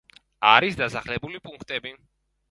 არის დასახლებული პუნქტები.